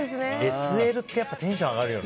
ＳＬってやっぱテンション上がるよね。